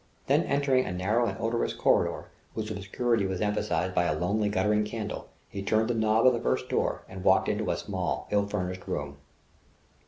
Then entering a narrow and odorous corridor, whose obscurity was emphasized by a lonely guttering candle, he turned the knob of the first door and walked into a small, ill furnished room.